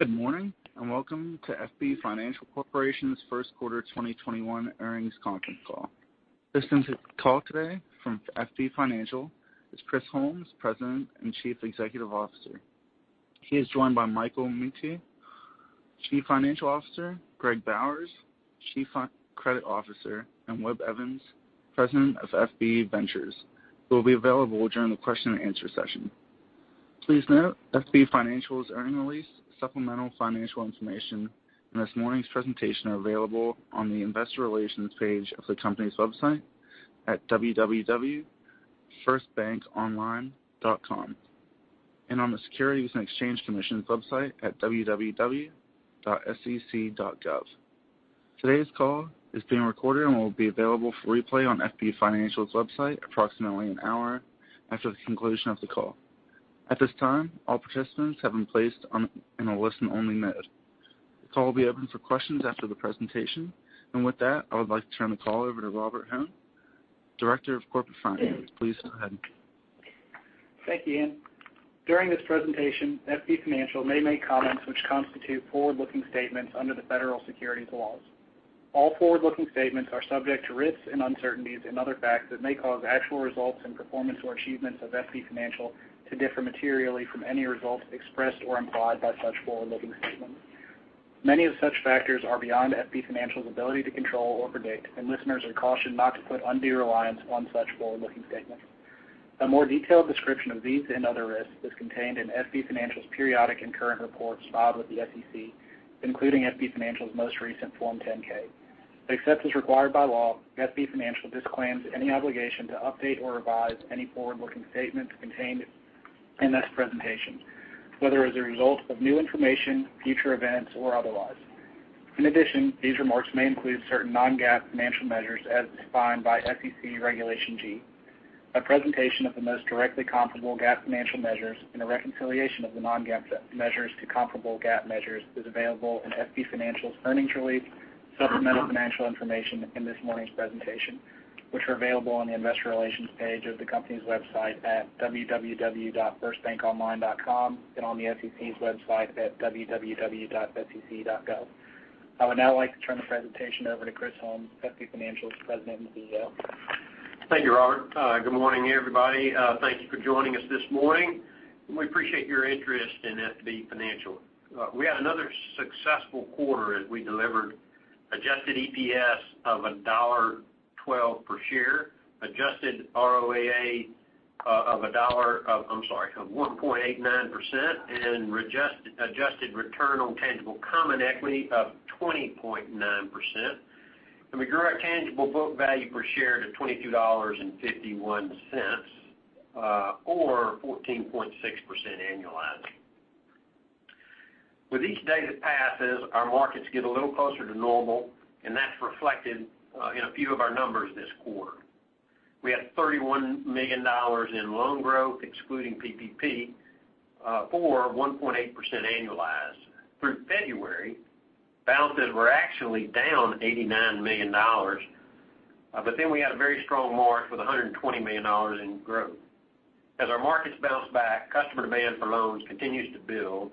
Good morning, and welcome to FB Financial Corporation's first quarter 2021 earnings conference call. Present on the call today from FB Financial is Chris Holmes, President and Chief Executive Officer. He is joined by Michael Mettee, Chief Financial Officer, Greg Bowers, Chief Credit Officer, and Webb Evans, President of FB Ventures, who will be available during the question and answer session. Please note, FB Financial's earnings release, supplemental financial information, and this morning's presentation are available on the investor relations page of the company's website at www.firstbankonline.com and on the Securities and Exchange Commission's website at www.sec.gov. Today's call is being recorded and will be available for replay on FB Financial's website approximately an hour after the conclusion of the call. At this time, all participants have been placed in a listen-only mode. The call will be open for questions after the presentation. With that, I would like to turn the call over to Robert Hoehn, Director of Corporate Finance. Please go ahead. Thank you, Ian. During this presentation, FB Financial may make comments which constitute forward-looking statements under the federal securities laws. All forward-looking statements are subject to risks and uncertainties and other facts that may cause actual results in performance or achievements of FB Financial to differ materially from any results expressed or implied by such forward-looking statements. Many of such factors are beyond FB Financial's ability to control or predict, and listeners are cautioned not to put undue reliance on such forward-looking statements. A more detailed description of these and other risks is contained in FB Financial's periodic and current reports filed with the SEC, including FB Financial's most recent Form 10-K. Except as required by law, FB Financial disclaims any obligation to update or revise any forward-looking statements contained in this presentation, whether as a result of new information, future events, or otherwise. In addition, these remarks may include certain non-GAAP financial measures as defined by SEC Regulation G. A presentation of the most directly comparable GAAP financial measures and a reconciliation of the non-GAAP measures to comparable GAAP measures is available in FB Financial's earnings release, supplemental financial information in this morning's presentation, which are available on the investor relations page of the company's website at www.firstbankonline.com and on the SEC's website at www.sec.gov. I would now like to turn the presentation over to Chris Holmes, FB Financial's President and CEO. Thank you, Robert. Good morning, everybody. Thank you for joining us this morning. We appreciate your interest in FB Financial. We had another successful quarter as we delivered adjusted EPS of $1.12 per share, adjusted ROAA of 1.89%, and adjusted return on tangible common equity of 20.9%. We grew our tangible book value per share to $22.51 or 14.6% annualized. With each day that passes, our markets get a little closer to normal, and that's reflected in a few of our numbers this quarter. We had $31 million in loan growth, excluding PPP, for 1.8% annualized. Through February, balances were actually down $89 million, but then we had a very strong March with $120 million in growth. As our markets bounce back, customer demand for loans continues to build.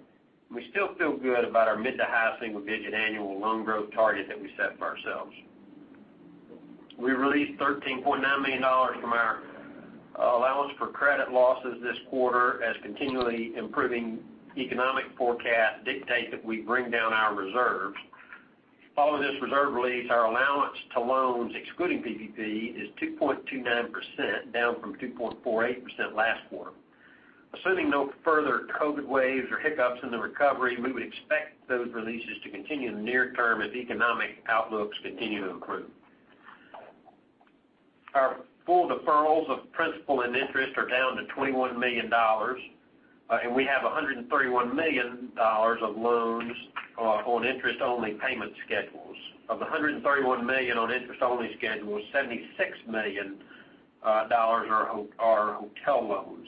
We still feel good about our mid to high single-digit annual loan growth target that we set for ourselves. We released $13.9 million from our allowance for credit losses this quarter as continually improving economic forecast dictate that we bring down our reserves. Following this reserve release, our allowance to loans, excluding PPP, is 2.29%, down from 2.48% last quarter. Assuming no further COVID waves or hiccups in the recovery, we would expect those releases to continue in the near term as economic outlooks continue to improve. Our full deferrals of principal and interest are down to $21 million, and we have $131 million of loans on interest-only payment schedules. Of the $131 million on interest-only schedules, $76 million are hotel loans.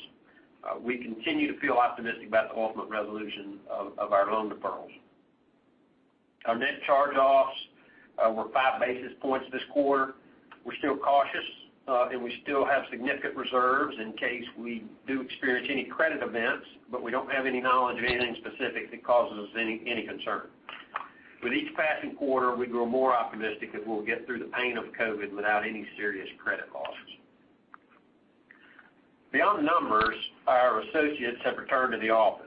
We continue to feel optimistic about the ultimate resolution of our loan deferrals. Our net charge-offs were five basis points this quarter. We're still cautious, and we still have significant reserves in case we do experience any credit events, but we don't have any knowledge of anything specific that causes us any concern. With each passing quarter, we grow more optimistic that we'll get through the pain of COVID without any serious credit losses. Beyond the numbers, our associates have returned to the office.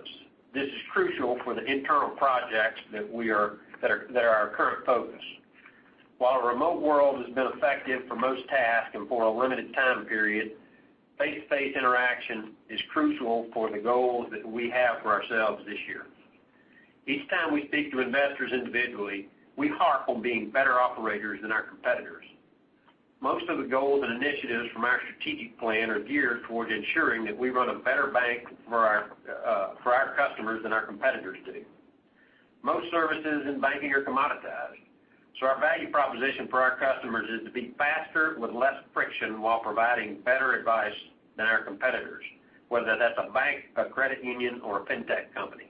This is crucial for the internal projects that are our current focus. While a remote world has been effective for most tasks and for a limited time period, face-to-face interaction is crucial for the goals that we have for ourselves this year. Each time we speak to investors individually, we harp on being better operators than our competitors. Most of the goals and initiatives from our strategic plan are geared towards ensuring that we run a better bank for our customers than our competitors do. Most services in banking are commoditized. Our value proposition for our customers is to be faster with less friction while providing better advice than our competitors, whether that's a bank, a credit union, or a FinTech company.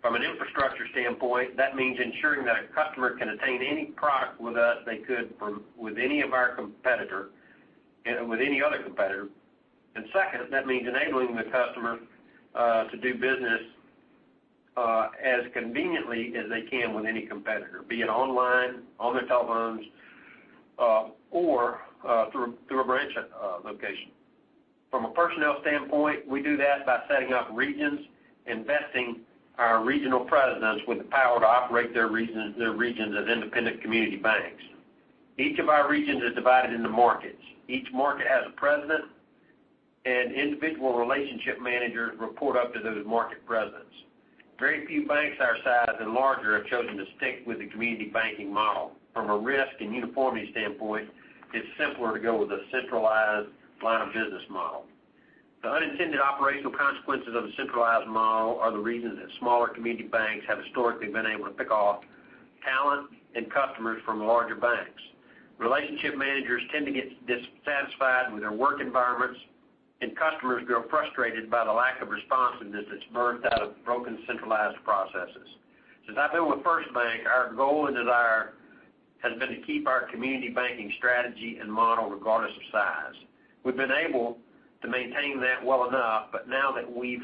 From an infrastructure standpoint, that means ensuring that a customer can attain any product with us they could with any other competitor. Second, that means enabling the customer to do business as conveniently as they can with any competitor, be it online, on their telephones, or through a branch location. From a personnel standpoint, we do that by setting up regions, investing our regional presidents with the power to operate their regions as independent community banks. Each of our regions is divided into markets. Each market has a president, and individual relationship managers report up to those market presidents. Very few banks our size and larger have chosen to stick with the community banking model. From a risk and uniformity standpoint, it's simpler to go with a centralized line of business model. The unintended operational consequences of a centralized model are the reason that smaller community banks have historically been able to pick off talent and customers from larger banks. Relationship managers tend to get dissatisfied with their work environments, and customers grow frustrated by the lack of responsiveness that's birthed out of broken centralized processes. Since I've been with FirstBank, our goal and desire has been to keep our community banking strategy and model regardless of size. We've been able to maintain that well enough, but now that we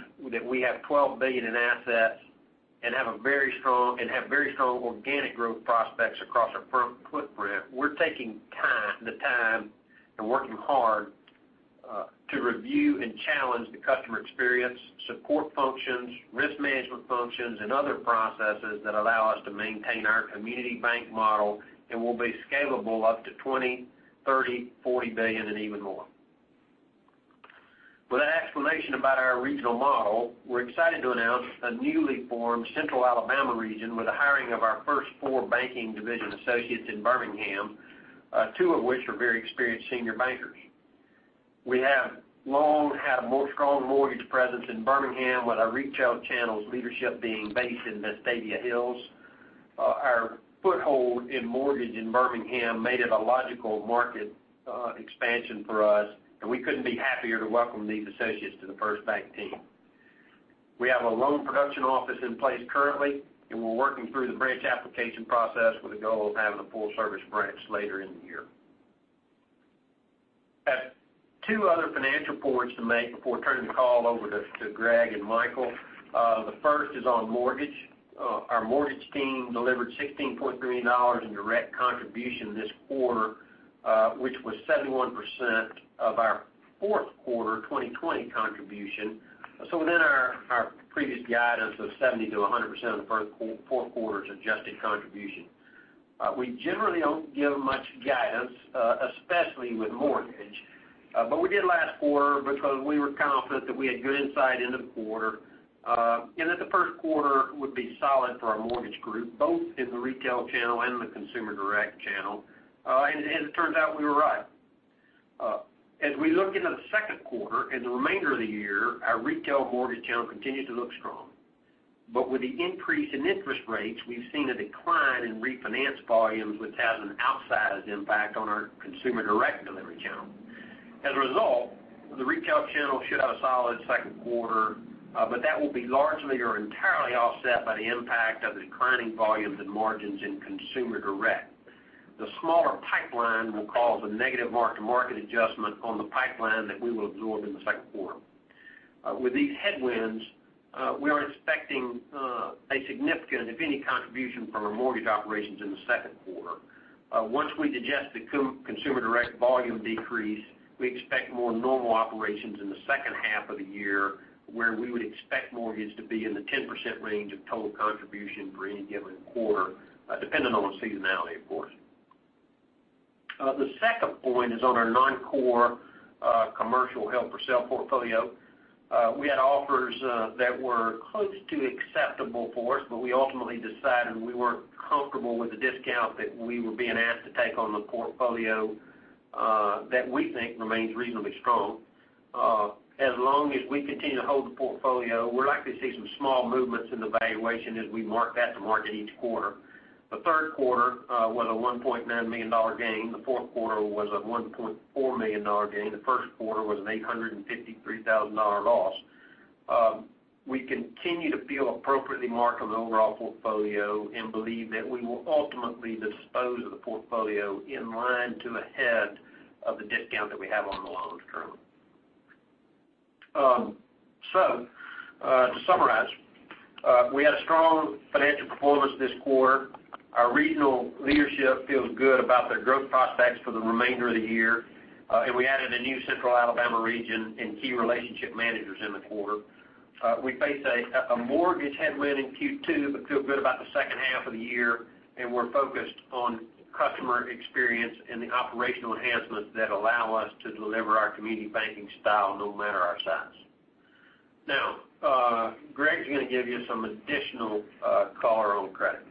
have 12 billion in assets and have very strong organic growth prospects across our footprint, we're taking the time and working hard to review and challenge the customer experience, support functions, risk management functions, and other processes that allow us to maintain our community bank model and will be scalable up to 20, 30, 40 billion, and even more. With that explanation about our regional model, we're excited to announce a newly formed Central Alabama region with the hiring of our first four banking division associates in Birmingham, two of which are very experienced senior bankers. We have long had a more strong mortgage presence in Birmingham, with our retail channel's leadership being based in Vestavia Hills. Our foothold in mortgage in Birmingham made it a logical market expansion for us, and we couldn't be happier to welcome these associates to the FirstBank team. We're working through the branch application process with the goal of having a full-service branch later in the year. I have two other financial points to make before turning the call over to Greg and Michael. The first is on mortgage. Our mortgage team delivered $16.3 million in direct contribution this quarter, which was 71% of our fourth quarter 2020 contribution. Within our previous guidance of 70%-100% of the fourth quarter's adjusted contribution. We generally don't give much guidance, especially with mortgage. We did last quarter because we were confident that we had good insight into the quarter, and that the first quarter would be solid for our mortgage group, both in the retail channel and the consumer direct channel. As it turns out, we were right. As we look into the second quarter and the remainder of the year, our retail mortgage channel continues to look strong. With the increase in interest rates, we've seen a decline in refinance volumes, which has an outsized impact on our consumer direct delivery channel. As a result, the retail channel should have a solid second quarter, but that will be largely or entirely offset by the impact of the declining volumes and margins in consumer direct. The smaller pipeline will cause a negative mark-to-market adjustment on the pipeline that we will absorb in the second quarter. With these headwinds, we aren't expecting a significant, if any, contribution from our mortgage operations in the second quarter. Once we digest the consumer direct volume decrease, we expect more normal operations in the second half of the year, where we would expect mortgages to be in the 10% range of total contribution for any given quarter, depending on seasonality, of course. The second point is on our non-core commercial held-for-sale portfolio. We had offers that were close to acceptable for us, but we ultimately decided we weren't comfortable with the discount that we were being asked to take on the portfolio that we think remains reasonably strong. As long as we continue to hold the portfolio, we're likely to see some small movements in the valuation as we mark that to market each quarter. The third quarter was a $1.9 million gain. The fourth quarter was a $1.4 million gain. The first quarter was an $853,000 loss. We continue to feel appropriately marked on the overall portfolio and believe that we will ultimately dispose of the portfolio in line to ahead of the discount that we have on the loans currently. To summarize, we had a strong financial performance this quarter. Our regional leadership feels good about their growth prospects for the remainder of the year. We added a new Central Alabama region and key relationship managers in the quarter. We face a mortgage headwind in Q2 but feel good about the second half of the year, and we're focused on customer experience and the operational enhancements that allow us to deliver our community banking style no matter our size. Now, Greg is going to give you some additional color on credit.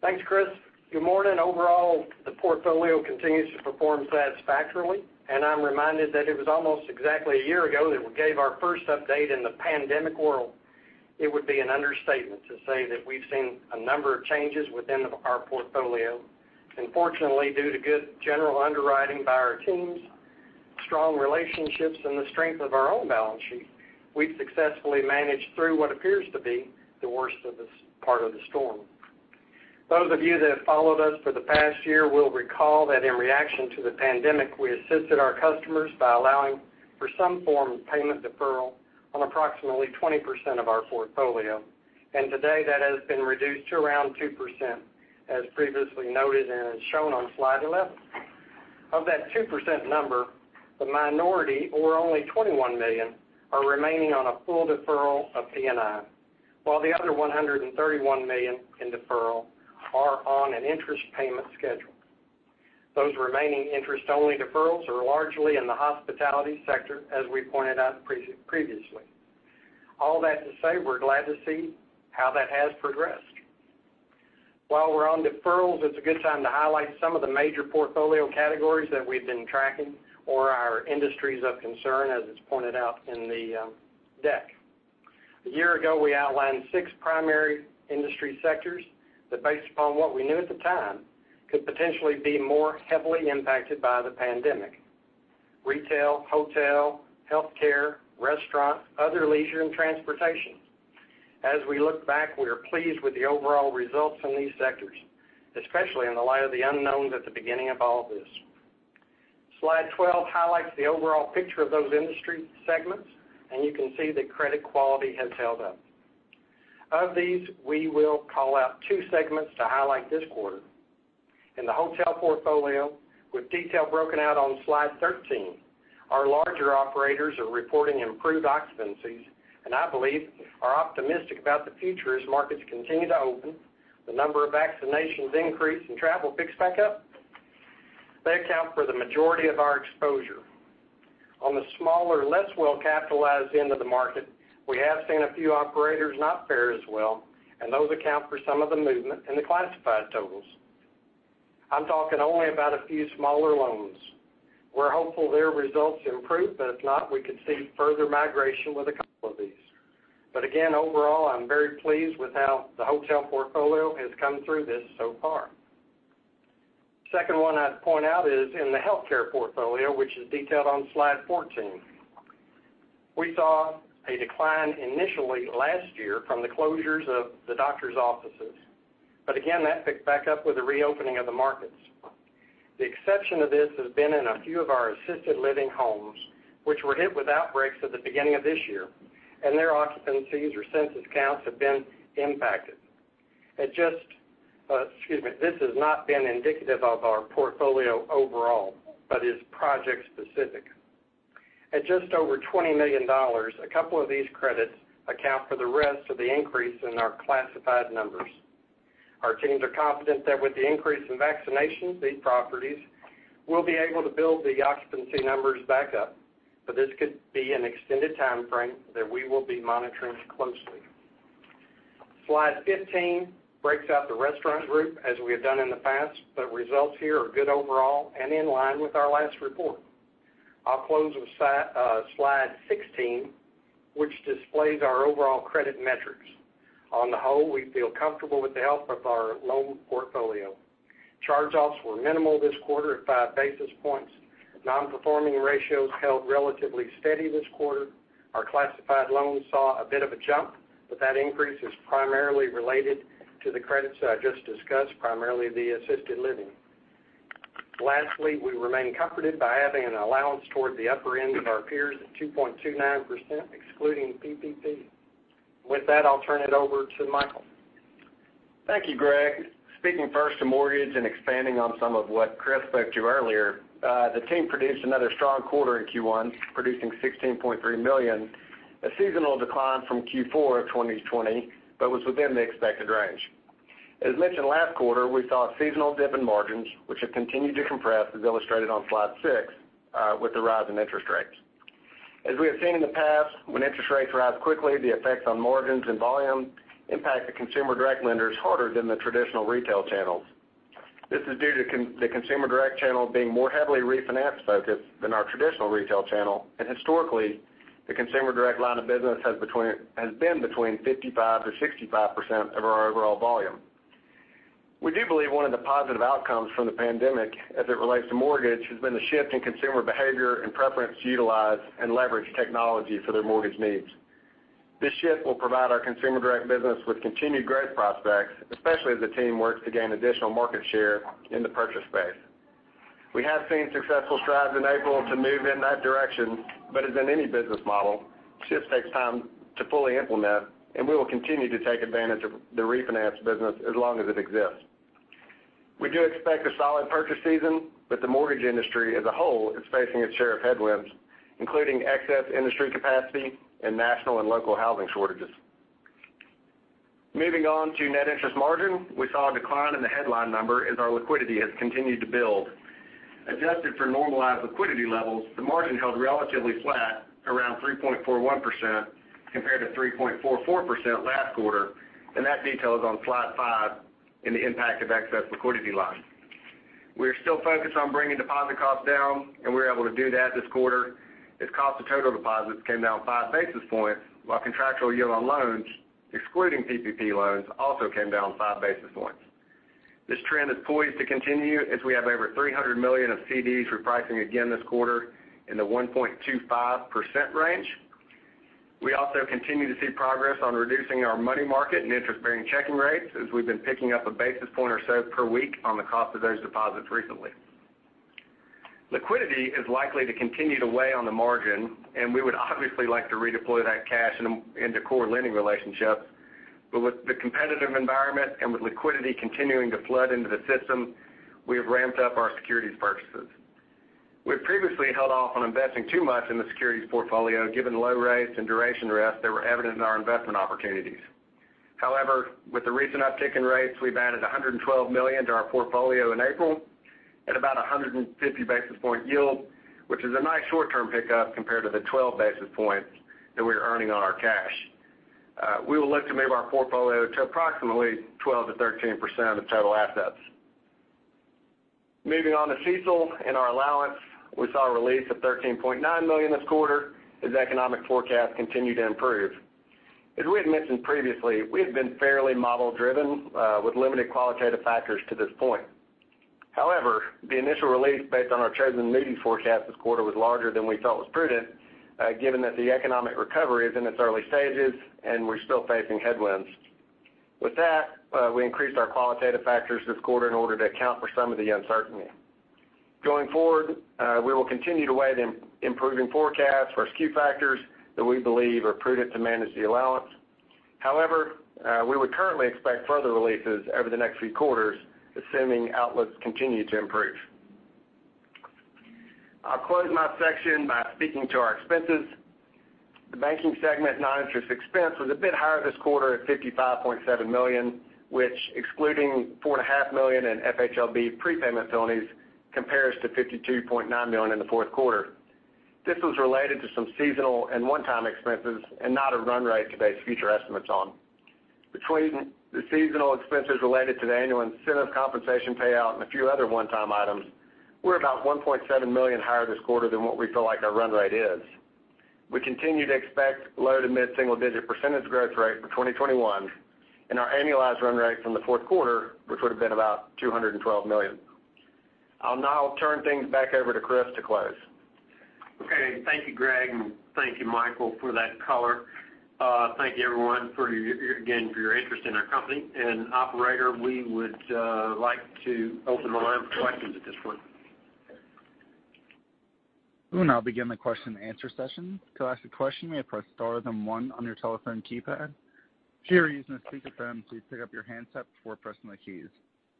Thanks, Chris. Good morning. Overall, the portfolio continues to perform satisfactorily, and I'm reminded that it was almost exactly a year ago that we gave our first update in the pandemic world. It would be an understatement to say that we've seen a number of changes within our portfolio. Fortunately, due to good general underwriting by our teams, strong relationships, and the strength of our own balance sheet, we've successfully managed through what appears to be the worst of this part of the storm. Those of you that have followed us for the past year will recall that in reaction to the pandemic, we assisted our customers by allowing for some form of payment deferral on approximately 20% of our portfolio. Today, that has been reduced to around 2%, as previously noted and is shown on slide 11. Of that 2% number, the minority, or only $21 million, are remaining on a full deferral of P&I, while the other $131 million in deferral are on an interest payment schedule. Those remaining interest-only deferrals are largely in the hospitality sector, as we pointed out previously. All that to say, we're glad to see how that has progressed. While we're on deferrals, it's a good time to highlight some of the major portfolio categories that we've been tracking, or our industries of concern, as is pointed out in the deck. A year ago, we outlined six primary industry sectors that, based upon what we knew at the time, could potentially be more heavily impacted by the pandemic: retail, hotel, healthcare, restaurant, other leisure, and transportation. As we look back, we are pleased with the overall results from these sectors, especially in the light of the unknowns at the beginning of all this. Slide 12 highlights the overall picture of those industry segments, and you can see that credit quality has held up. Of these, we will call out two segments to highlight this quarter. In the hotel portfolio, with detail broken out on slide 13, our larger operators are reporting improved occupancies, and I believe are optimistic about the future as markets continue to open, the number of vaccinations increase, and travel picks back up. They account for the majority of our exposure. On the smaller, less well-capitalized end of the market, we have seen a few operators not fare as well, and those account for some of the movement in the classified totals. I'm talking only about a few smaller loans. We're hopeful their results improve, but if not, we could see further migration with a couple of these. Again, overall, I'm very pleased with how the hotel portfolio has come through this so far. Second one I'd point out is in the healthcare portfolio, which is detailed on slide 14. We saw a decline initially last year from the closures of the doctor's offices. Again, that picked back up with the reopening of the markets. The exception to this has been in a few of our assisted living homes, which were hit with outbreaks at the beginning of this year, and their occupancies or census counts have been impacted. Excuse me. This has not been indicative of our portfolio overall, but is project specific. At just over $20 million, a couple of these credits account for the rest of the increase in our classified numbers. Our teams are confident that with the increase in vaccinations, these properties will be able to build the occupancy numbers back up, but this could be an extended timeframe that we will be monitoring closely. Slide 15 breaks out the restaurant group as we have done in the past, but results here are good overall and in line with our last report. I'll close with Slide 16, which displays our overall credit metrics. On the whole, we feel comfortable with the health of our loan portfolio. Charge-offs were minimal this quarter at five basis points. Non-performing ratios held relatively steady this quarter. Our classified loans saw a bit of a jump, but that increase is primarily related to the credits that I just discussed, primarily the assisted living. Lastly, we remain comforted by having an allowance toward the upper end of our peers at 2.29%, excluding PPP. With that, I'll turn it over to Michael. Thank you, Greg. Speaking first to mortgage and expanding on some of what Chris spoke to earlier, the team produced another strong quarter in Q1, producing $16.3 million, a seasonal decline from Q4 of 2020, but was within the expected range. As mentioned last quarter, we saw a seasonal dip in margins, which have continued to compress, as illustrated on slide six, with the rise in interest rates. As we have seen in the past, when interest rates rise quickly, the effects on margins and volume impact the consumer direct lenders harder than the traditional retail channels. This is due to the consumer direct channel being more heavily refinance focused than our traditional retail channel. Historically, the consumer direct line of business has been between 55%-65% of our overall volume. We do believe one of the positive outcomes from the pandemic, as it relates to mortgage, has been the shift in consumer behavior and preference to utilize and leverage technology for their mortgage needs. This shift will provide our consumer direct business with continued growth prospects, especially as the team works to gain additional market share in the purchase space. We have seen successful strides in April to move in that direction, but as in any business model, shifts takes time to fully implement, and we will continue to take advantage of the refinance business as long as it exists. We do expect a solid purchase season, but the mortgage industry as a whole is facing its share of headwinds, including excess industry capacity and national and local housing shortages. Moving on to net interest margin. We saw a decline in the headline number as our liquidity has continued to build. Adjusted for normalized liquidity levels, the margin held relatively flat around 3.41%, compared to 3.44% last quarter, and that detail is on slide five in the impact of excess liquidity line. We are still focused on bringing deposit costs down, and we were able to do that this quarter, as cost of total deposits came down five basis points, while contractual yield on loans, excluding PPP loans, also came down five basis points. This trend is poised to continue as we have over $300 million of CDs repricing again this quarter in the 1.25% range. We also continue to see progress on reducing our money market and interest-bearing checking rates, as we've been picking up a basis point or so per week on the cost of those deposits recently. Liquidity is likely to continue to weigh on the margin, and we would obviously like to redeploy that cash into core lending relationships. With the competitive environment and with liquidity continuing to flood into the system, we have ramped up our securities purchases. We've previously held off on investing too much in the securities portfolio, given the low rates and duration risk that were evident in our investment opportunities. However, with the recent uptick in rates, we've added $112 million to our portfolio in April at about 150 basis point yield, which is a nice short-term pickup compared to the 12 basis points that we're earning on our cash. We will look to move our portfolio to approximately 12%-13% of total assets. Moving on to CECL and our allowance, we saw a release of $13.9 million this quarter as economic forecasts continue to improve. As we had mentioned previously, we have been fairly model-driven with limited qualitative factors to this point. However, the initial release based on our chosen Moody's forecast this quarter was larger than we felt was prudent, given that the economic recovery is in its early stages and we're still facing headwinds. With that, we increased our qualitative factors this quarter in order to account for some of the uncertainty. Going forward, we will continue to weigh the improving forecasts versus Q-factors that we believe are prudent to manage the allowance. However, we would currently expect further releases over the next few quarters, assuming outlooks continue to improve. I'll close my section by speaking to our expenses. The banking segment non-interest expense was a bit higher this quarter at $55.7 million, which excluding $4.5 million in FHLB prepayment penalties, compares to $52.9 million in the fourth quarter. This was related to some seasonal and one-time expenses and not a run rate to base future estimates on. Between the seasonal expenses related to the annual incentive compensation payout and a few other one-time items, we're about $1.7 million higher this quarter than what we feel like our run rate is. We continue to expect low- to mid-single-digit percentage growth rate for 2021 and our annualized run rate from the fourth quarter, which would have been about $212 million. I'll now turn things back over to Chris to close. Okay. Thank you, Greg, and thank you, Michael, for that color. Thank you, everyone, again, for your interest in our company. Operator, we would like to open the line for questions at this point. We will now begin the question and answer session. To ask a question, you may press star then one on your telephone keypad. If you are using a speakerphone, please pick up your handset before pressing the keys.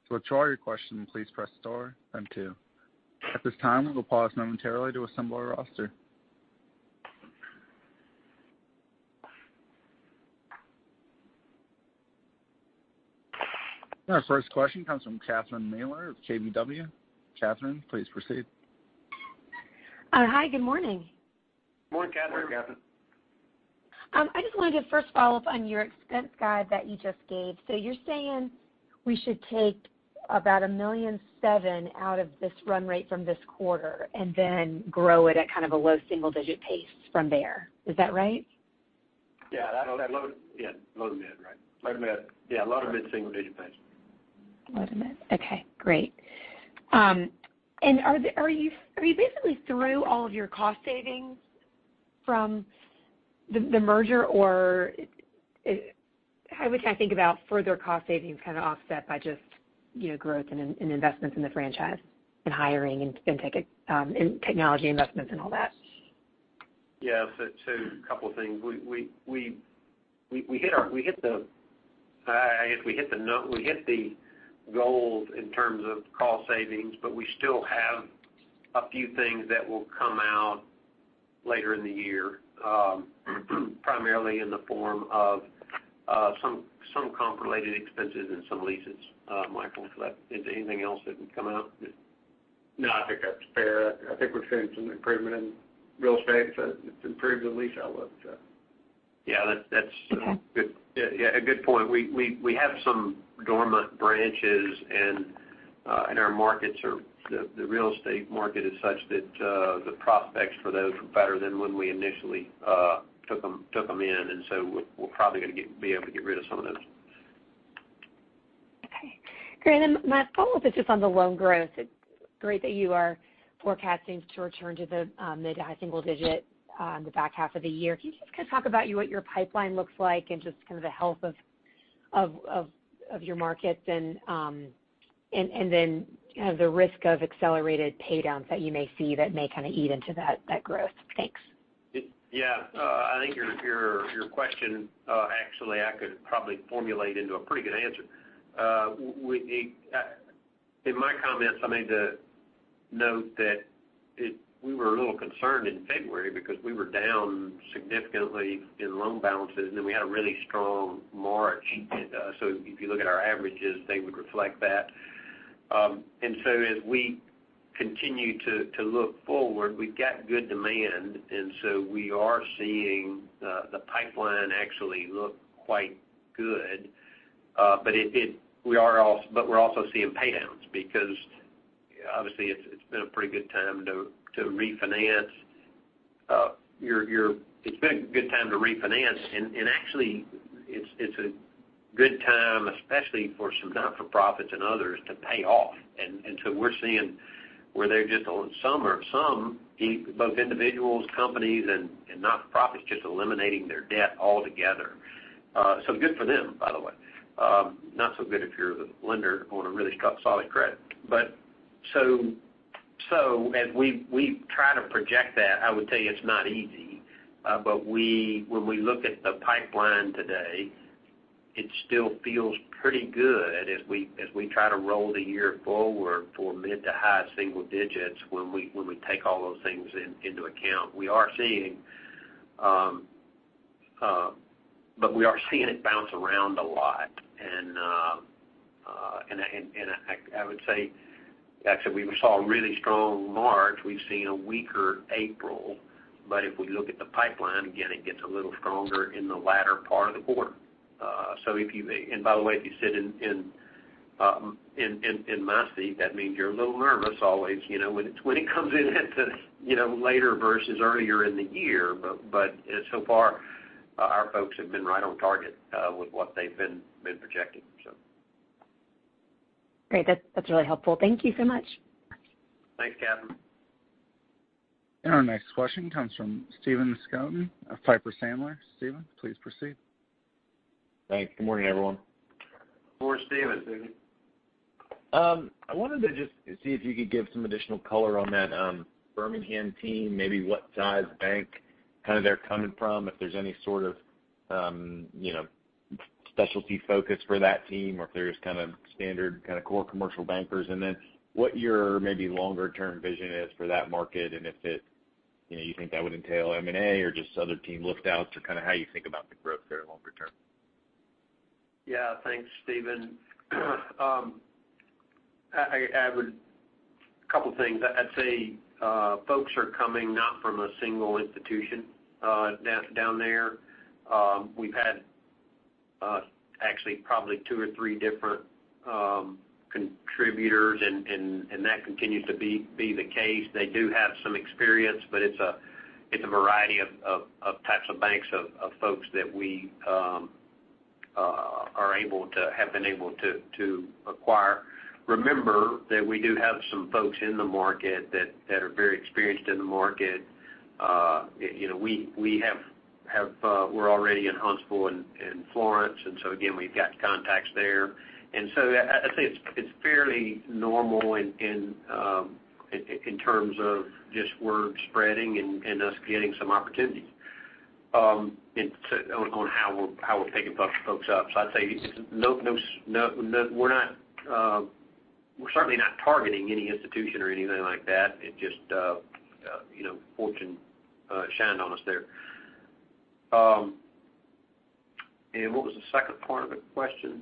To withdraw your question, please press star then two. At this time, we will pause momentarily to assemble our roster. Our first question comes from Catherine Mealor of KBW. Catherine, please proceed. Hi, good morning. Morning, Catherine. Morning, Catherine. I just wanted to first follow up on your expense guide that you just gave. You're saying we should take about $1.7 million out of this run rate from this quarter and then grow it at kind of a low single-digit pace from there. Is that right? Yeah, that low to mid, right. Low to mid. Yeah, low to mid single-digit pace. Low to mid. Okay, great. Are you basically through all of your cost savings from the merger? How we kind of think about further cost savings kind of offset by just growth and investments in the franchise and hiring and technology investments and all that? Yeah. Two couple of things. We hit the goals in terms of cost savings, but we still have a few things that will come out later in the year, primarily in the form of some comp-related expenses and some leases. Michael, is there anything else that can come out? No, I think that's fair. I think we've seen some improvement in real estate. It's improved the lease outlook. Yeah, a good point. We have some dormant branches, and our markets or the real estate market is such that the prospects for those were better than when we initially took them in, and so we're probably going to be able to get rid of some of those. Okay, great. My follow-up is just on the loan growth. It's great that you are forecasting to return to the mid to high single digit on the back half of the year. Can you just kind of talk about what your pipeline looks like and just kind of the health of your markets and then the risk of accelerated paydowns that you may see that may kind of eat into that growth? Thanks. Yeah. I think your question, actually, I could probably formulate into a pretty good answer. In my comments, I made the note that we were a little concerned in February because we were down significantly in loan balances, and then we had a really strong March. If you look at our averages, they would reflect that. As we continue to look forward, we've got good demand, we are seeing the pipeline actually look quite good. We're also seeing paydowns because obviously it's been a pretty good time to refinance. It's been a good time to refinance, actually, it's a good time, especially for some not-for-profits and others to pay off. We're seeing where some, both individuals, companies, and not-for-profits, just eliminating their debt altogether. Good for them, by the way. Not so good if you're the lender on a really solid credit. As we try to project that, I would tell you it's not easy. When we look at the pipeline today, it still feels pretty good as we try to roll the year forward for mid to high single digits when we take all those things into account. We are seeing it bounce around a lot. I would say, actually, we saw a really strong March. We've seen a weaker April, but if we look at the pipeline, again, it gets a little stronger in the latter part of the quarter. By the way, if you sit in my seat, that means you're a little nervous always, when it comes in at the later versus earlier in the year. So far, our folks have been right on target with what they've been projecting. Great. That's really helpful. Thank you so much. Thanks, Catherine. Our next question comes from Stephen Scouten of Piper Sandler. Stephen, please proceed. Thanks. Good morning, everyone. Good morning, Stephen. I wanted to just see if you could give some additional color on that Birmingham team, maybe what size bank they're coming from, if there's any sort of specialty focus for that team, or if they're just standard kind of core commercial bankers. What your maybe longer-term vision is for that market, and if you think that would entail M&A or just other team lookouts, or kind of how you think about the growth there longer term. Yeah. Thanks, Stephen. A couple of things. I'd say folks are coming not from a single institution down there. We've had actually probably two or three different contributors, and that continues to be the case. They do have some experience, but it's a variety of types of banks of folks that we have been able to acquire. Remember that we do have some folks in the market that are very experienced in the market. We're already in Huntsville and Florence, and so again, we've got contacts there. I'd say it's fairly normal in terms of just word spreading and us getting some opportunities on how we're picking folks up. I'd say we're certainly not targeting any institution or anything like that. It just, fortune shined on us there. What was the second part of the question?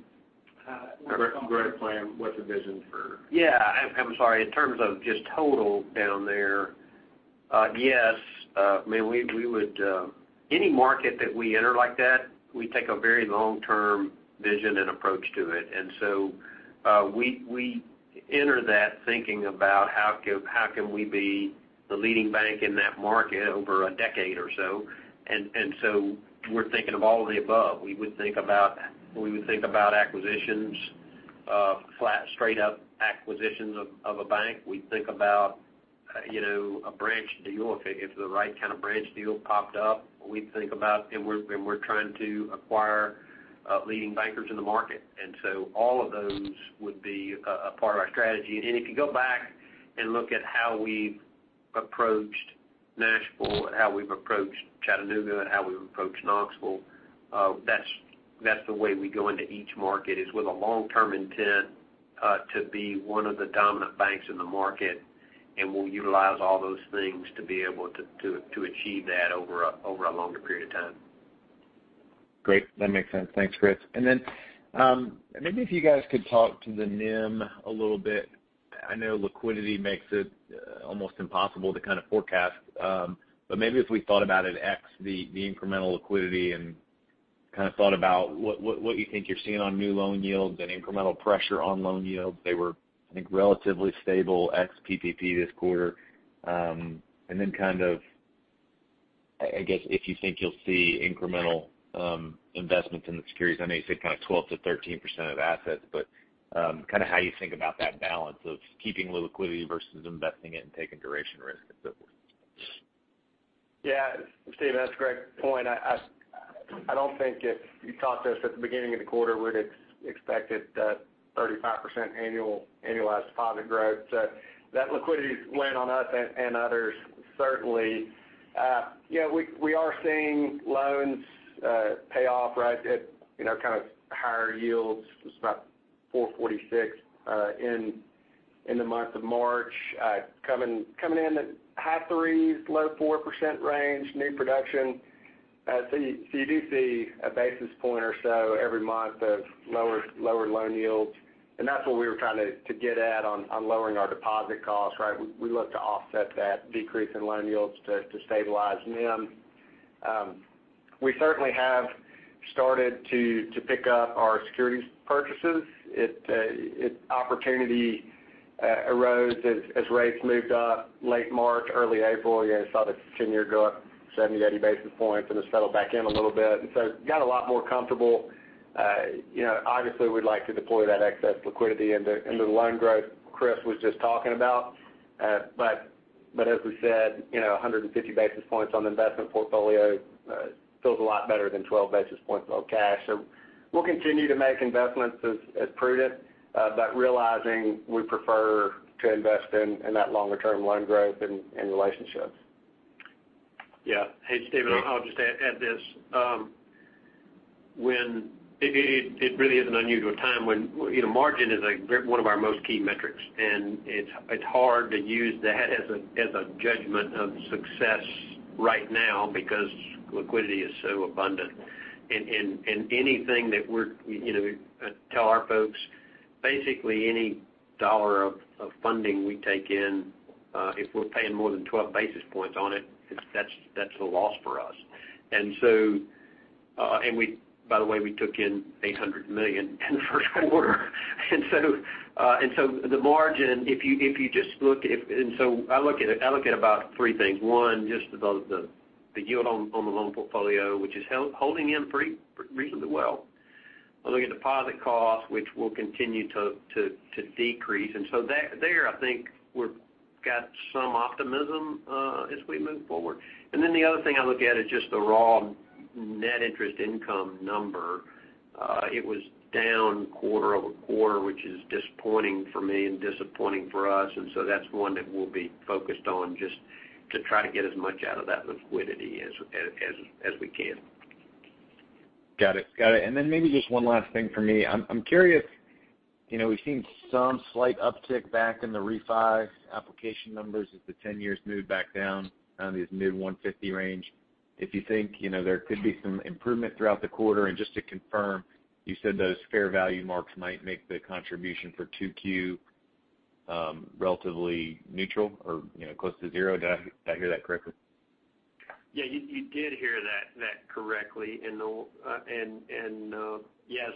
Growth plan, what's the vision for? Yeah, I'm sorry. In terms of just total down there, yes. Any market that we enter like that, we take a very long-term vision and approach to it. We enter that thinking about how can we be the leading bank in that market over a decade or so. We're thinking of all of the above. We would think about acquisitions, straight up acquisitions of a bank. We think about a branch deal. If the right kind of branch deal popped up, we'd think about. We're trying to acquire leading bankers in the market. All of those would be a part of our strategy. If you go back and look at how we've approached Nashville, and how we've approached Chattanooga, and how we've approached Knoxville, that's the way we go into each market, is with a long-term intent to be one of the dominant banks in the market. We'll utilize all those things to be able to achieve that over a longer period of time. Great. That makes sense. Thanks, Chris. Then maybe if you guys could talk to the NIM a little bit. I know liquidity makes it almost impossible to kind of forecast. Maybe if we thought about it, X the incremental liquidity and kind of thought about what you think you're seeing on new loan yields and incremental pressure on loan yields. They were, I think, relatively stable ex PPP this quarter. Then kind of, I guess, if you think you'll see incremental investments in the securities. I know you said kind of 12%-13% of assets, but kind of how you think about that balance of keeping the liquidity versus investing it and taking duration risk, et cetera. Stephen, that's a great point. I don't think if you talked to us at the beginning of the quarter, we would've expected that 35% annualized deposit growth. That liquidity went on us and others certainly. We are seeing loans pay off right at kind of higher yields. It was about 4.46% in the month of March. Coming in at high 3%, low 4% range new production. You do see a basis point or so every month of lower loan yields. That's what we were trying to get at on lowering our deposit costs, right? We look to offset that decrease in loan yields to stabilize NIM. We certainly have started to pick up our securities purchases. Opportunity arose as rates moved up late March, early April. You saw the 10-year go up 70 to 80 basis points, and it's settled back in a little bit. Got a lot more comfortable. Obviously, we'd like to deploy that excess liquidity into the loan growth Chris was just talking about. As we said, 150 basis points on the investment portfolio feels a lot better than 12 basis points on cash. We'll continue to make investments as prudent, but realizing we prefer to invest in that longer-term loan growth and relationships. Hey, Stephen, I'll just add this. It really is an unusual time when margin is one of our most key metrics, and it's hard to use that as a judgment of success right now because liquidity is so abundant. We tell our folks, basically any dollar of funding we take in, if we're paying more than 12 basis points on it, that's a loss for us. By the way, we took in $800 million in the first quarter. The margin, if you just look, I look at about three things. One, just the yield on the loan portfolio, which is holding in pretty reasonably well. I look at deposit costs, which will continue to decrease. There, I think we've got some optimism as we move forward. The other thing I look at is just the raw net interest income number. It was down quarter-over-quarter, which is disappointing for me and disappointing for us. That's one that we'll be focused on just to try to get as much out of that liquidity as we can. Got it. Then maybe just one last thing for me. I'm curious, we've seen some slight uptick back in the refi application numbers as the 10-year moved back down these mid-150 range. If you think there could be some improvement throughout the quarter, and just to confirm, you said those fair value marks might make the contribution for 2Q relatively neutral or close to zero. Did I hear that correctly? Yeah, you did hear that correctly. Yes,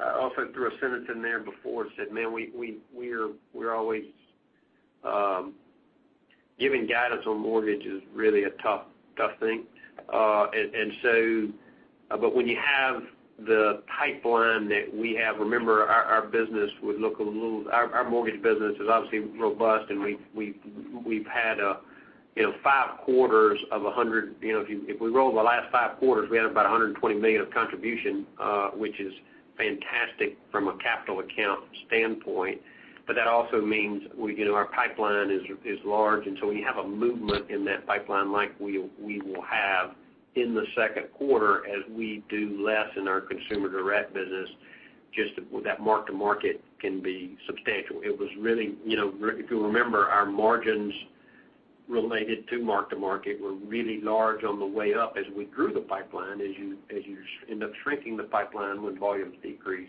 I also threw a sentence in there before and said, man, we're always giving guidance on mortgage is really a tough thing. When you have the pipeline that we have, remember, our mortgage business is obviously robust, and we've had five quarters of 100. If we roll the last five quarters, we had about $120 million of contribution, which is fantastic from a capital account standpoint. That also means our pipeline is large. When you have a movement in that pipeline like we will have in the second quarter as we do less in our consumer direct business, just that mark-to-market can be substantial. If you remember, our margins related to mark-to-market were really large on the way up as we grew the pipeline. As you end up shrinking the pipeline when volumes decrease,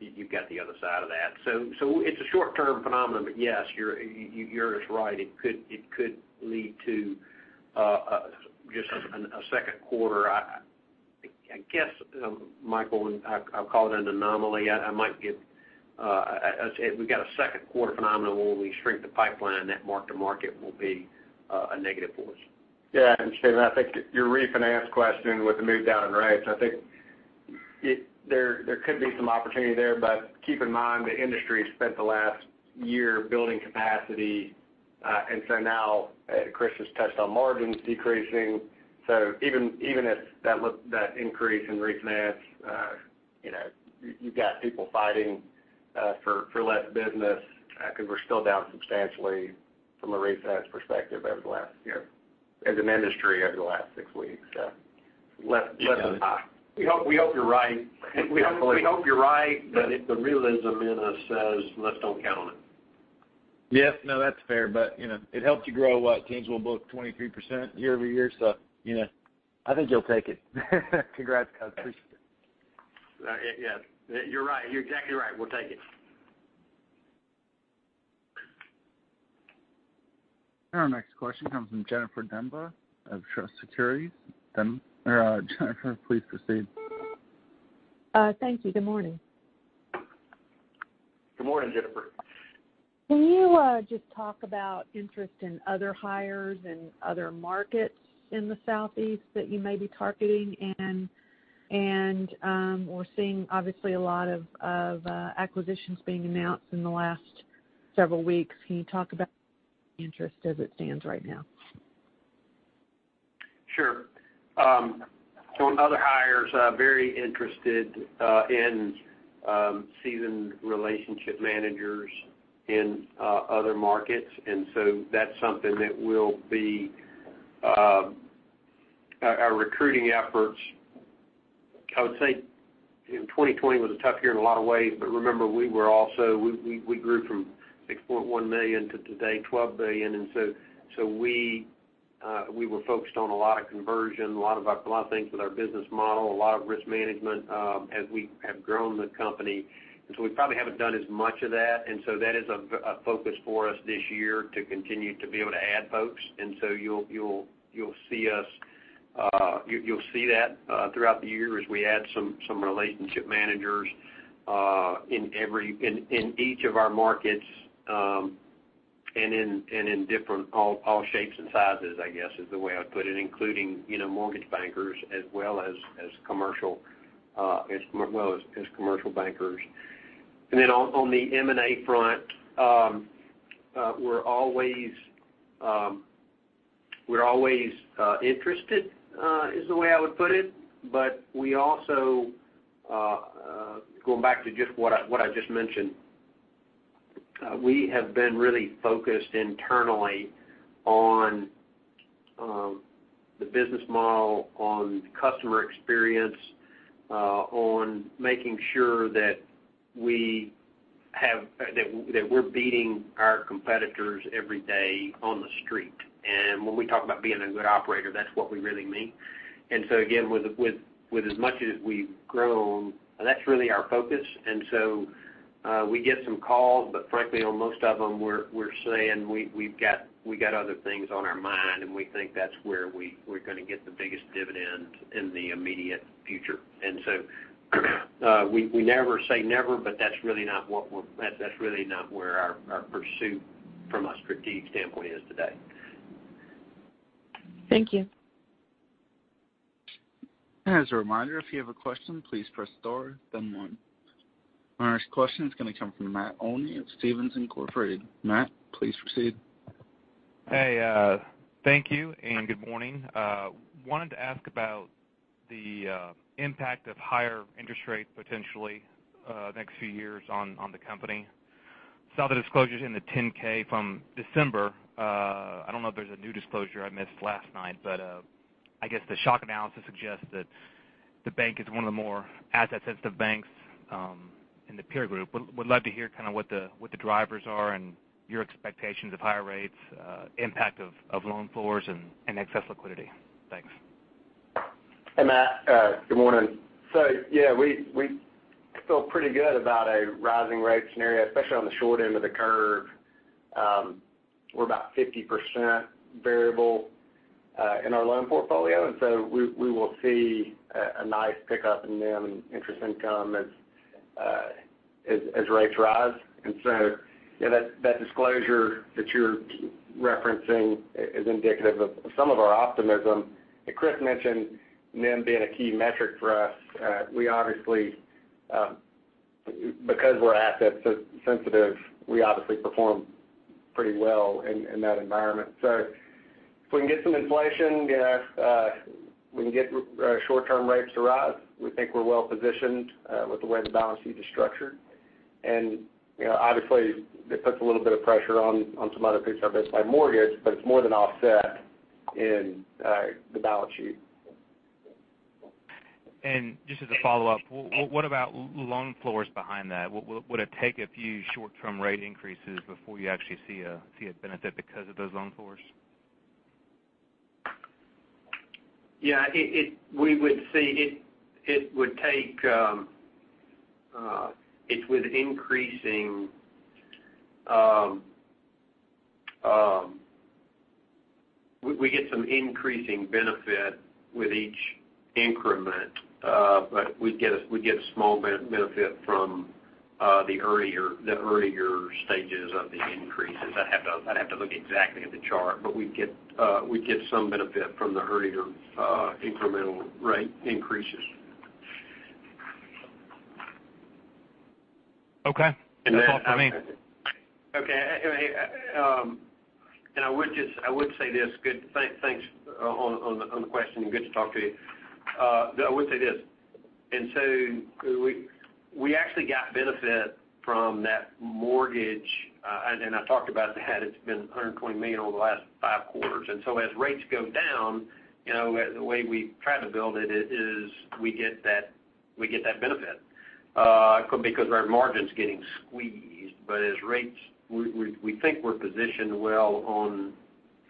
you've got the other side of that. It's a short-term phenomenon, but yes, you're just right. It could lead to just a second quarter, I guess, Michael, I'll call it an anomaly. We've got a second quarter phenomenon where when we shrink the pipeline, that mark-to-market will be a negative force. Yeah. Stephen, I think your refinance question with the move down in rates, I think there could be some opportunity there. Keep in mind, the industry spent the last year building capacity. Now Chris has touched on margins decreasing. Even if that increase in refinance, you've got people fighting for less business because we're still down substantially from a refinance perspective over the last year as an industry over the last six weeks. We hope you're right. The realism in us says, let's don't count on it. Yeah. No, that's fair. It helped you grow what, tangible book 23% year-over-year, so I think you'll take it. Congrats, guys. Appreciate it. Yeah. You're right. You're exactly right. We'll take it. Our next question comes from Jennifer Demba of Truist Securities. Jennifer, please proceed. Thank you. Good morning. Good morning, Jennifer. Can you just talk about interest in other hires and other markets in the Southeast that you may be targeting? We're seeing, obviously, a lot of acquisitions being announced in the last several weeks. Can you talk about interest as it stands right now? Sure. On other hires, very interested in seasoned relationship managers in other markets. That's something that will be our recruiting efforts. I would say 2020 was a tough year in a lot of ways. Remember, we grew from $6.1 million to today, $12 billion. We were focused on a lot of conversion, a lot of things with our business model, a lot of risk management as we have grown the company. We probably haven't done as much of that. That is a focus for us this year to continue to be able to add folks. You'll see that throughout the year as we add some relationship managers in each of our markets and in different all shapes and sizes, I guess, is the way I'd put it, including mortgage bankers as well as commercial bankers. On the M&A front, we're always interested, is the way I would put it. We also, going back to just what I just mentioned, we have been really focused internally on the business model, on the customer experience, on making sure that we're beating our competitors every day on the street. When we talk about being a good operator, that's what we really mean. Again, with as much as we've grown, that's really our focus. We get some calls, but frankly, on most of them, we're saying we've got other things on our mind, and we think that's where we're going to get the biggest dividend in the immediate future. We never say never, but that's really not where our pursuit from a strategic standpoint is today. Thank you. As a reminder, if you have a question, please press star then one. Our next question is going to come from Matt Olney of Stephens Inc.. Matt, please proceed. Hey, thank you, and good morning. Wanted to ask about the impact of higher interest rates potentially next few years on the company. Saw the disclosures in the 10-K from December. I don't know if there's a new disclosure I missed last night. I guess the shock analysis suggests that the bank is one of the more asset-sensitive banks in the peer group. Would love to hear kind of what the drivers are and your expectations of higher rates, impact of loan floors and excess liquidity. Thanks. Hey, Matt. Good morning. Yeah, we feel pretty good about a rising rate scenario, especially on the short end of the curve. We're about 50% variable in our loan portfolio, we will see a nice pickup in NIM and interest income as rates rise. Yeah, that disclosure that you're referencing is indicative of some of our optimism. As Chris mentioned, NIM being a key metric for us. Because we're asset sensitive, we obviously perform pretty well in that environment. If we can get some inflation, we can get short-term rates to rise, we think we're well-positioned with the way the balance sheet is structured. Obviously, it puts a little bit of pressure on some other pieces, our refi mortgage, but it's more than offset in the balance sheet. Just as a follow-up, what about loan floors behind that? Would it take a few short-term rate increases before you actually see a benefit because of those loan floors? Yeah, we get some increasing benefit with each increment. We'd get a small benefit from the earlier stages of the increases. I'd have to look exactly at the chart, we'd get some benefit from the earlier incremental rate increases. Okay. Just follow up, I mean. Okay. I would say this. Thanks on the question and good to talk to you. I would say this. We actually got benefit from that mortgage, and I talked about that it's been $120 million over the last five quarters. As rates go down, the way we try to build it is we get that benefit because our margin's getting squeezed. We think we're positioned well on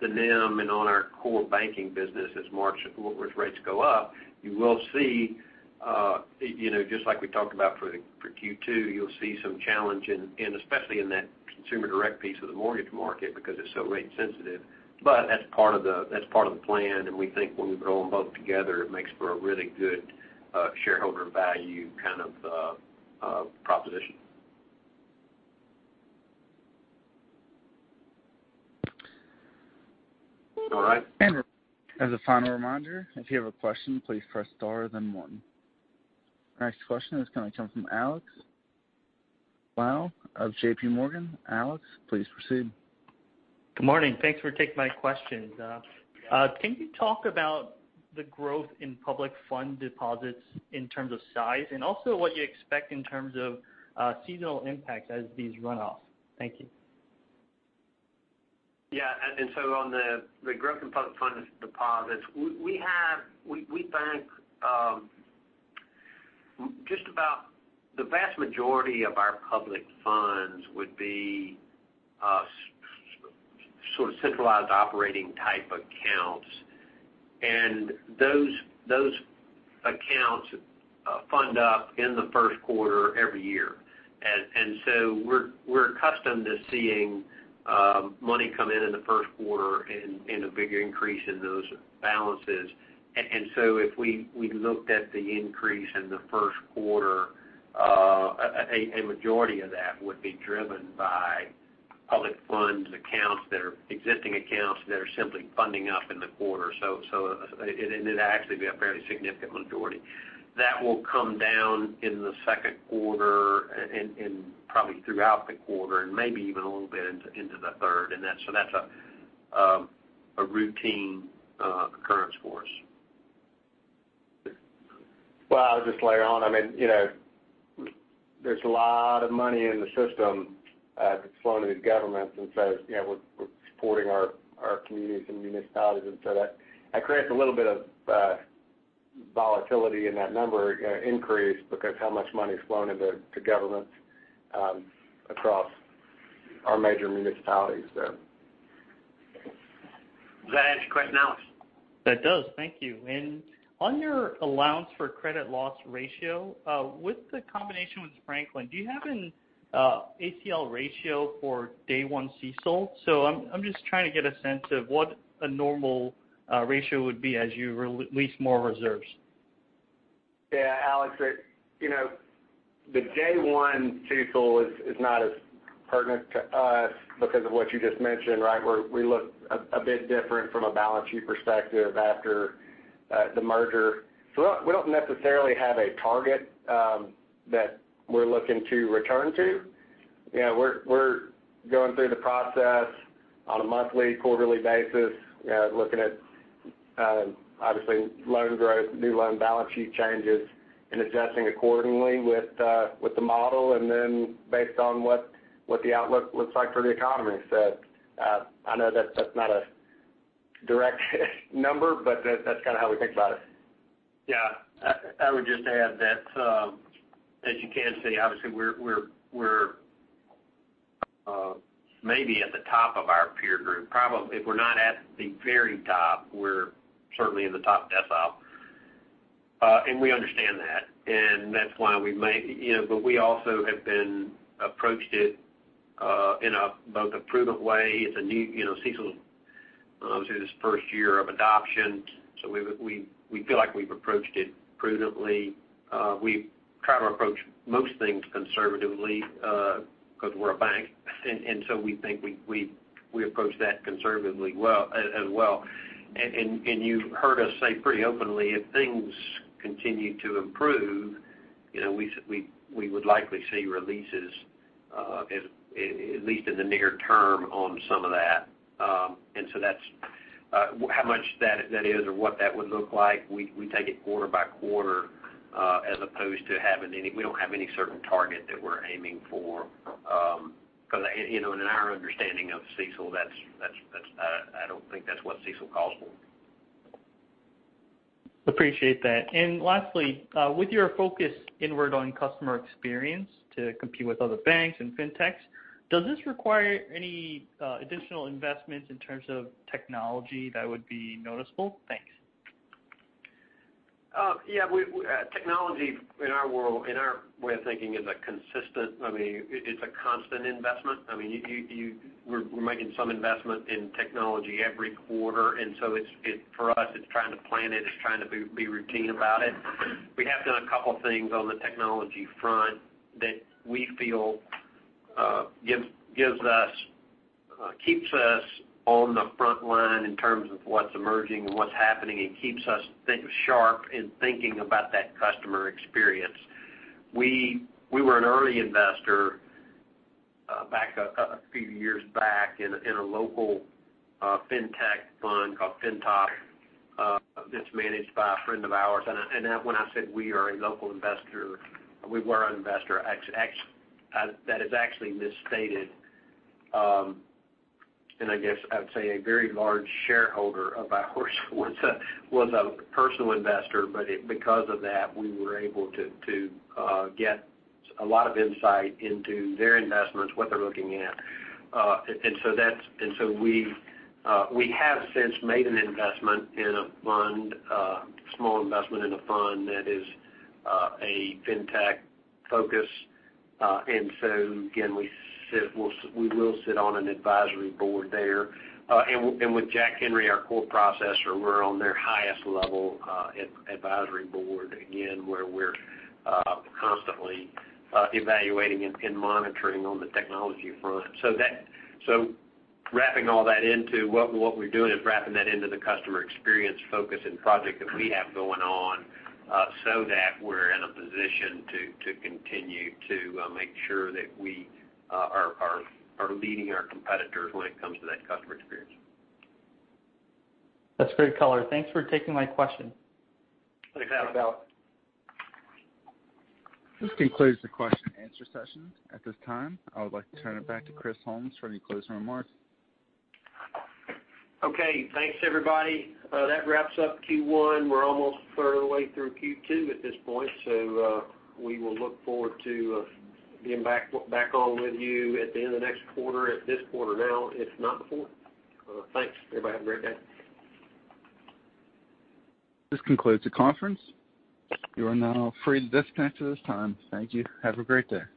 the NIM and on our core banking business. As rates go up, you will see, just like we talked about for Q2, you'll see some challenge in, especially in that consumer direct piece of the mortgage market because it's so rate sensitive. That's part of the plan, and we think when we put them both together, it makes for a really good shareholder value kind of proposition. All right. As a final reminder, if you have a question, please press star then one. Our next question is going to come from Alex Lau of JPMorgan. Alex, please proceed. Good morning. Thanks for taking my questions. Yeah. Can you talk about the growth in public fund deposits in terms of size and also what you expect in terms of seasonal impact as these run off? Thank you. Yeah. On the growth in public fund deposits, we think just about the vast majority of our public funds would be sort of centralized operating type accounts. And those wants to fund up in the first quarter every year. We're accustomed to seeing money come in in the first quarter and a big increase in those balances. If we looked at the increase in the first quarter, a majority of that would be driven by public funds accounts that are existing accounts that are simply funding up in the quarter. It'd actually be a fairly significant majority. That will come down in the second quarter and probably throughout the quarter and maybe even a little bit into the third. That's a routine occurrence for us. Well, I'll just layer on. There's a lot of money in the system that's flowing to the governments. We're supporting our communities and municipalities. That creates a little bit of volatility in that number increase because how much money is flowing into governments across our major municipalities there. Does that answer your question, Alex? That does. Thank you. On your allowance for credit loss ratio, with the combination with Franklin, do you have an ACL ratio for day one CECL? I am just trying to get a sense of what a normal ratio would be as you release more reserves. Alex, the day one CECL is not as pertinent to us because of what you just mentioned. We don't necessarily have a target that we're looking to return to. We're going through the process on a monthly, quarterly basis, looking at obviously loan growth, new loan balance sheet changes, and adjusting accordingly with the model and then based on what the outlook looks like for the economy. I know that's not a direct number, but that's kind of how we think about it. Yeah. I would just add that, as you can see, obviously, we're maybe at the top of our peer group, probably. If we're not at the very top, we're certainly in the top decile. We understand that's why we also have been approached it in both a prudent way. CECL is obviously this first year of adoption, we feel like we've approached it prudently. We try to approach most things conservatively because we're a bank, we think we approach that conservatively as well. You've heard us say pretty openly, if things continue to improve, we would likely see releases, at least in the near term, on some of that. How much that is or what that would look like, we take it quarter by quarter, as opposed to having any certain target that we're aiming for. In our understanding of CECL, I don't think that's what CECL calls for. Appreciate that. Lastly, with your focus inward on customer experience to compete with other banks and fintechs, does this require any additional investments in terms of technology that would be noticeable? Thanks. Yeah. Technology, in our way of thinking, is a constant investment. We're making some investment in technology every quarter, for us, it's trying to plan it. It's trying to be routine about it. We have done a couple things on the technology front that we feel keeps us on the front line in terms of what's emerging and what's happening and keeps us sharp in thinking about that customer experience. We were an early investor back a few years back in a local FinTech fund called FINTOP that's managed by a friend of ours. When I said we are a local investor, we were an investor. That is actually misstated. I guess I'd say a very large shareholder of ours was a personal investor. Because of that, we were able to get a lot of insight into their investments, what they're looking at. We have since made an investment in a fund, a small investment in a fund that is a FinTech focus. Again, we will sit on an advisory board there. With Jack Henry, our core processor, we're on their highest level advisory board, again, where we're constantly evaluating and monitoring on the technology front. Wrapping all that into what we're doing is wrapping that into the customer experience focus and project that we have going on so that we're in a position to continue to make sure that we are leading our competitors when it comes to that customer experience. That's great color. Thanks for taking my question. Thanks, Alex. Thanks, Alex. This concludes the question and answer session. At this time, I would like to turn it back to Chris Holmes for any closing remarks. Okay. Thanks, everybody. That wraps up Q1. We're almost a third of the way through Q2 at this point. We will look forward to being back on with you at the end of next quarter, at this quarter now, if not before. Thanks, everybody. Have a great day. This concludes the conference. You are now free to disconnect at this time. Thank you. Have a great day.